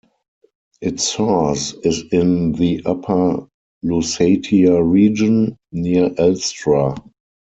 Its source is in the Upper Lusatia region, near Elstra.